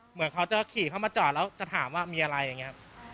เหมือนเขาจะขี่เข้ามาจอดแล้วจะถามว่ามีอะไรอย่างนี้